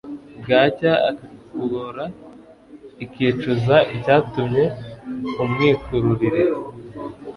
bwacya akakugora, ikicuza icyatumye umwikururire